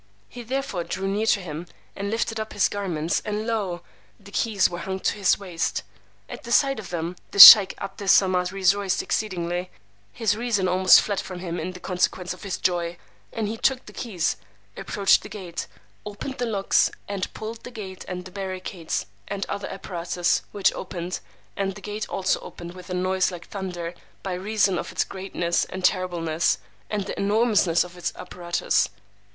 He therefore drew near to him, and lifted up his garments, and lo, the keys were hung to his waist. At the sight of them, the sheykh 'Abd Es Samad rejoiced exceedingly; his reason almost fled from him in consequence of his joy: and he took the keys, approached the gate, opened the locks, and pulled the gate and the barricades and other apparatus which opened, and the gate also opened, with a noise like thunder, by reason of its greatness and terribleness, and the enormousness of its apparatus.